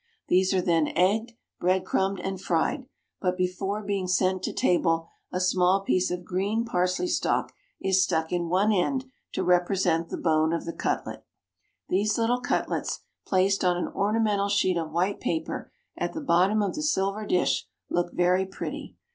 These are then egged, bread crumbed, and fried, but before being sent to table a small piece of green parsley stalk is stuck in one end to represent the bone of the cutlet. These little cutlets, placed on an ornamental sheet of white paper, at the bottom of the silver dish, look very pretty.